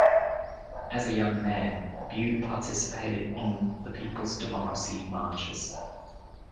As a young man, Bew participated in the People's Democracy marches.